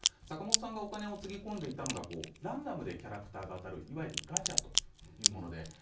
お金をつぎ込んでいたのがランダムでキャラクターが当たるいわゆるガチャでした。